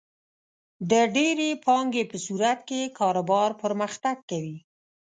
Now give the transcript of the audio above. د ډېرې پانګې په صورت کې کاروبار پرمختګ کوي.